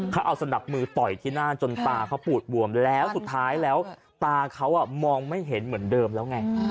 เขาเอาสนับมือต่อยที่หน้าจนตาเขาปูดบวมแล้วสุดท้ายแล้วตาเขามองไม่เห็นเหมือนเดิมแล้วไง